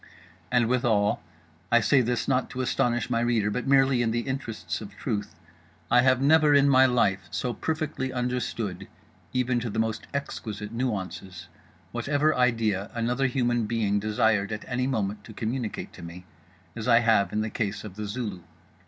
And withal—I say this not to astonish my reader but merely in the interests of truth—I have never in my life so perfectly understood (even to the most exquisite nuances) whatever idea another human being desired at any moment to communicate to me, as I have in the case of The Zulu.